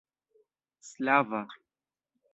slava